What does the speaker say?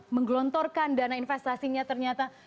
menggelontorkan dana investasinya ternyata